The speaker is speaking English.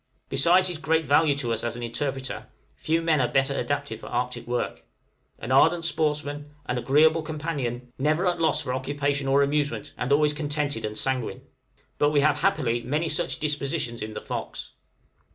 Besides his great value to us as interpreter, few men are better adapted for Arctic work, an ardent sportsman, an agreeable companion, never at a loss for occupation or amusement, and always contented and sanguine. But we have happily many such dispositions in the 'Fox.'